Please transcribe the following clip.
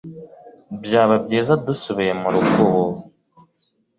byaba byiza dusubiye murugo ubu